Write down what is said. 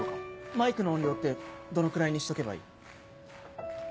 マイクの音量ってどのくらいにしとけばいい？